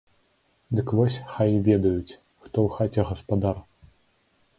Дык вось хай ведаюць, хто ў хаце гаспадар!